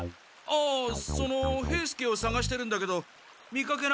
ああその兵助をさがしてるんだけど見かけなかった？